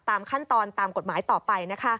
ตามขั้นตอนตามกฎหมายต่อไป